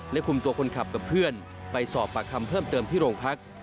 คุมตัวคนขับกับเพื่อนไปสอบปากคำเพิ่มเติมที่โรงพัก